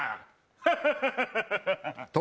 ハハハハハ。